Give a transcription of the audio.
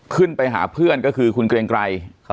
ขึ้นไปหาเพื่อนก็คือคุณเกรงไกร